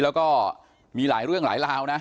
แล้วก็มีหลายเรื่องหลายราวนะ